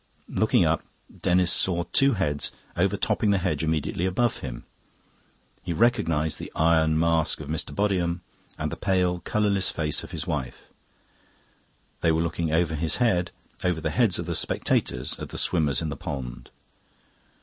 Looking up, Denis saw two heads overtopping the hedge immediately above him. He recognised the iron mask of Mr. Bodiham and the pale, colourless face of his wife. They were looking over his head, over the heads of the spectators, at the swimmers in the pond.